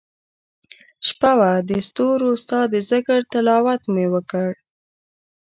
شپه وه دستورو ستا دذکرتلاوت مي وکړ